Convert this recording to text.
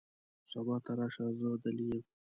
سبا ته راشه ، زه دلې یم .